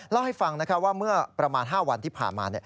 เล่าให้ฟังว่าเมื่อประมาณ๕วันที่ผ่านมา